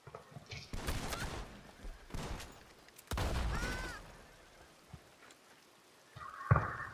সেই আগ্রহী ব্যক্তিদের তালিকায় যাঁরা রয়েছেন, তাঁদের অনেকেই সুষমার রাজনৈতিক প্রতিপক্ষ।